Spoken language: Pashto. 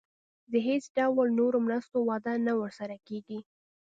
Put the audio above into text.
د هیڅ ډول نورو مرستو وعده نه ورسره کېږي.